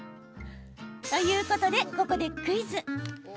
ということで、ここでクイズ。